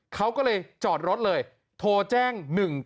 เขาก็เลยจอดรถเลยโทรแจ้ง๑๙